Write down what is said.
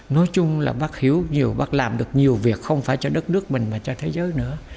nói chung là bác hiểu bác làm được nhiều việc không phải cho đất nước mình mà cho thế giới nữa